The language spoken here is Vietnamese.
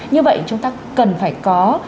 như vậy chúng ta cần phải có